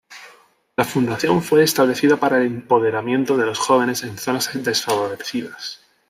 La Fundación fue establecida para el empoderamiento de los jóvenes en zonas desfavorecidas.